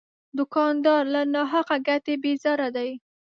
دوکاندار له ناحقه ګټې بیزاره دی.